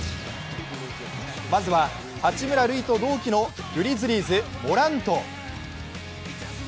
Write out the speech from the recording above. まずは八村塁と同期のグリズリーズ・モラント。